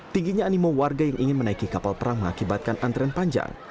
tingginya animo warga yang ingin menaiki kapal perang mengakibatkan antrean panjang